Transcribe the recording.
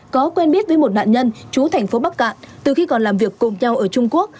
có quen biết với một nạn nhân chú thành phố bắc cạn từ khi còn làm việc cùng nhau ở trung quốc